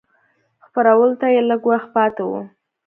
خپرولو ته یې لږ وخت پاته و.